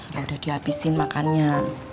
ya udah dihabisin makannya